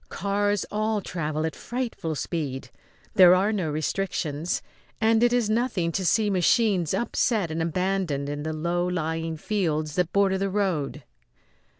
Cars all travel at frightful speed. There are no restrictions, and it is nothing to see machines upset and abandoned in the low lying fields that border the road.